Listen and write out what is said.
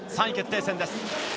３位決定戦です。